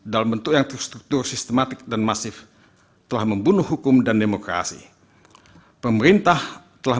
dalam bentuk yang terstruktur sistematik dan masif telah membunuh hukum dan demokrasi pemerintah telah